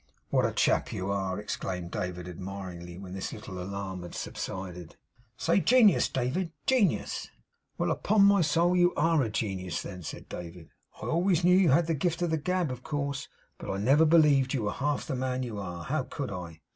'What a chap you are!' exclaimed David admiringly, when this little alarm had subsided. 'Say, genius, David, genius.' 'Well, upon my soul, you ARE a genius then,' said David. 'I always knew you had the gift of the gab, of course; but I never believed you were half the man you are. How could I?